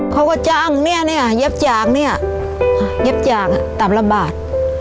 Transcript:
เขาก็จ้างเนี่ยเย็บจากเนี่ยเย็บจากตับลำบาก